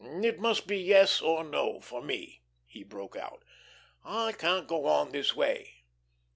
"It must be yes or no for me," he broke out. "I can't go on this way."